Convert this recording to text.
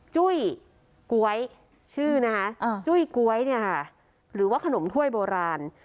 จุ้ยก๊วยชื่อนะคะจุ้ยก๊วยเนี่ยค่ะหรือว่าขนมถ้วยโบราณ